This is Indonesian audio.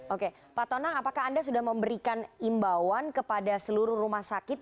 oke pak tonang apakah anda sudah memberikan imbauan kepada seluruh rumah sakit